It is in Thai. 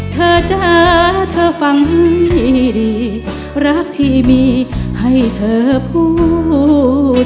เธอจะเธอฟังดีรักที่มีให้เธอพูด